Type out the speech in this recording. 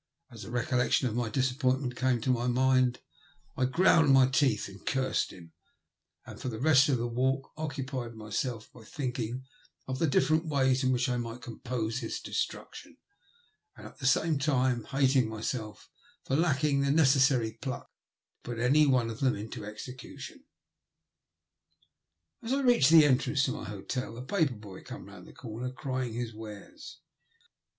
As the recollection of my disappointment came into my mind, I ground my teeth and cursed him ; and for the rest of my walk occupied myself thinking of the different ways in which I might compass his destruction, and at the same time hating myself for lacking the necessary pluck to put any one of them into execution. ENGLAND ONCE MORE. 87 As I reached the entrance to my hotel a paper boy oame round the comer crying his wares.